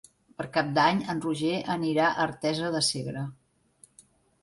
Per Cap d'Any en Roger anirà a Artesa de Segre.